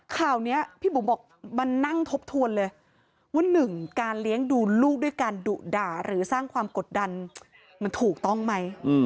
ข่าวนี้พี่บุ๋มบอกมันนั่งทบทวนเลยว่าหนึ่งการเลี้ยงดูลูกด้วยการดุด่าหรือสร้างความกดดันมันถูกต้องไหม